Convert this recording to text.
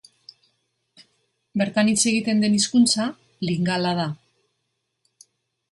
Bertan hitz egiten den hizkuntza Lingala da.